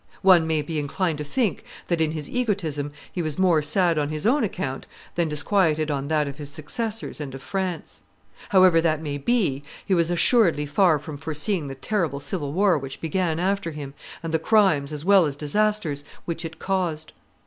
One may be inclined to think that, in his egotism, he was more sad on his own account than disquieted on that of his successors and of France. However that may be, he was assuredly far from foreseeing the terrible civil war which began after him, and the crimes, as well as disasters, which it caused.